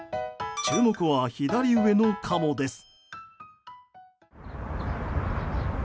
注目は左上のカモです。